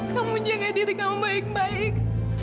kamu jaga diri kamu baik baik